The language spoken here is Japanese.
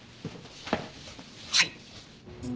はい。